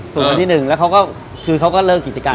ถูกวันที่๑แล้วเขาก็เลิกกิจการ